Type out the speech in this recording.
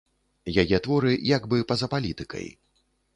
Яе творы як бы па-за палітыкай.